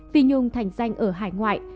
phi nhung thành danh ở hải ngoại